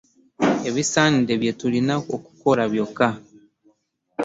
Ebisaanidde bye tulina okukola byokka.